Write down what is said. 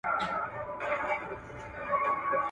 د ارغنداب سیند پر غاړه د شنو ځنګلونو پراخوالی سته.